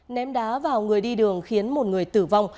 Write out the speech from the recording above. ném đá vào người đi đường khiến một người tử vong